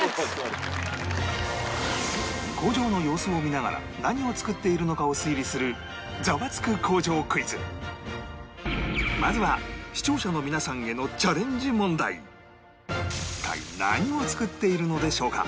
工場の様子を見ながら何を作っているのかを推理するまずは視聴者の皆さんへの一体何を作っているのでしょうか？